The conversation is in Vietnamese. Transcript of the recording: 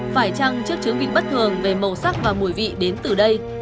phải chăng trước chứa vịt bất thường về màu sắc và mùi vị đến từ đây